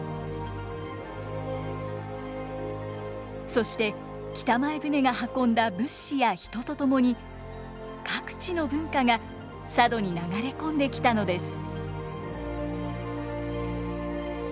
そして北前船が運んだ物資や人と共に各地の文化が佐渡に流れ込んできたのです。